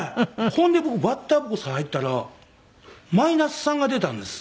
ほんで僕バッターボックス入ったらマイナス３が出たんです。